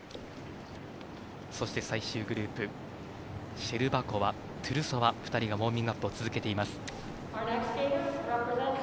そして最終グループシェルバコワとトゥルソワ２人がウォーミングアップを続けています。